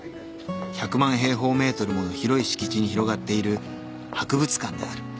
１００万平方メートルもの広い敷地に広がっている博物館である。